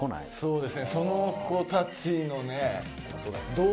そうですね。